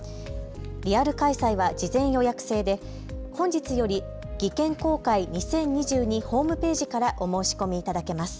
リアル開催は事前予約制で本日より技研公開２０２２ホームページからお申し込みいただけます。